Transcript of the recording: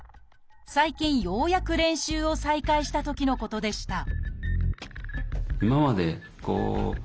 最近ようやく練習を再開したときのことでした